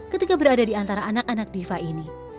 ketika berada di antara anak anak diva ini